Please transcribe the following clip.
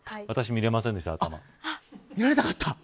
私見れませんでした、頭。